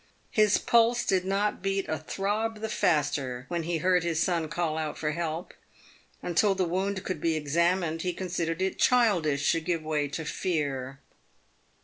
His pulse did not beat a throb the faster when he heard his son call out for help. Until the wound could be examined, he considered it childish to give way to fear.